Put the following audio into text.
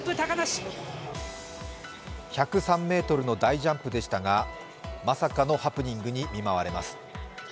１０３ｍの大ジャンプでしたがまさかのハプニングに見舞われます。